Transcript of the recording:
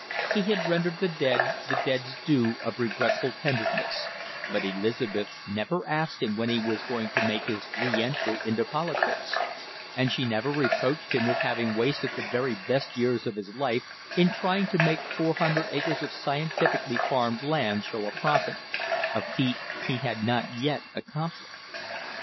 He had rendered the dead the dead's due of regretful tenderness; but Elizabeth never asked him when he was going to make his reëntry into politics; and she never reproached him with having wasted the very best years of his life in trying to make four hundred acres of scientifically farmed land show a profit, a feat he had not yet accomplished.